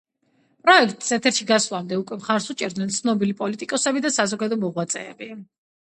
პროექტს, ეთერში გასვლამდე უკვე მხარს უჭერდნენ ცნობილი პოლიტიკოსები და საზოგადო მოღვაწეები.